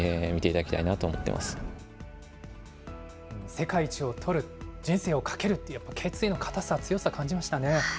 世界一を取る、人生をかけるって、やっぱ決意の固さ、強さ、感じましたね。